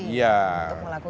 untuk melakukan sesuatu